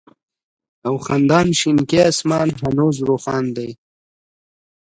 او خندان شينكى آسمان هنوز روښان دى